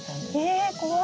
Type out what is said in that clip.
え怖い。